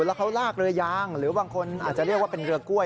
แล้วเขาลากเรือยางหรือบางคนอาจจะเรียกว่าเป็นเรือกล้วย